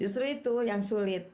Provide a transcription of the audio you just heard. justru itu yang sulit